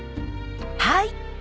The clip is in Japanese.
はい！